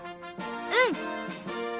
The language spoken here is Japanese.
うん！